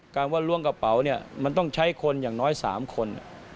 ว่าล้วงกระเป๋าเนี่ยมันต้องใช้คนอย่างน้อย๓คน